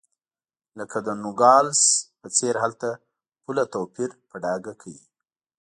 لکه د نوګالس په څېر هلته پوله توپیر په ډاګه کوي.